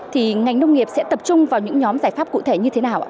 thì ngành nông nghiệp sẽ tập trung vào những nhóm giải pháp cụ thể như thế nào ạ